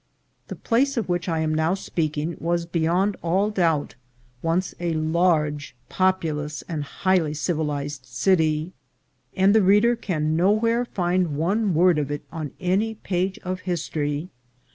The place of which I am now speaking was beyond all doubt once a large, populous, and highly civilized city, and the reader can nowhere find one word of it on any page of history.